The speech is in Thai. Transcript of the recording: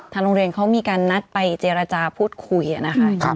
โรงเรียนเขามีการนัดไปเจรจาพูดคุยนะคะ